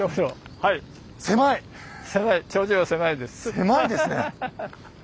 狭いですね！